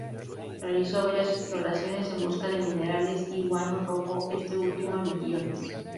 Realizó varias exploraciones en busca de minerales y guano rojo, este último en Mejillones.